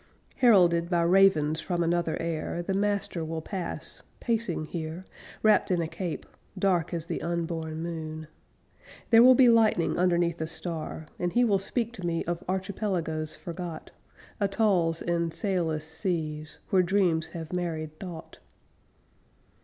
Heralded by ravens from another air, The master will pass, pacing here, Wrapped in a cape dark as the unborn moon. There will be lightning underneath a star; And he will speak to me Of archipelagoes forgot, Atolls in sailless seas, where dreams have married thought.